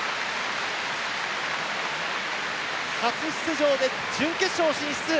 初出場で準決勝進出！